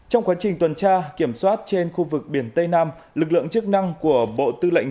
trong quá trình tuần tra kiểm soát trên khu vực biển tây nam lực lượng chức năng của bộ tư lệnh